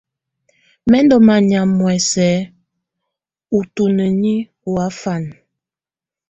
Mɛ̀ ndɔ̀ manyà muɛ̀sɛ̀ ù tunǝni ɔ ɔfana.